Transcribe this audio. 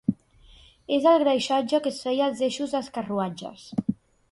És el greixatge que es feia als eixos dels carruatges.